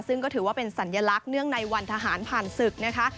ซึ่งก็ถือว่าเป็นสัญลักษณ์เนื่องในวันทหารผ่านศึกนะคะ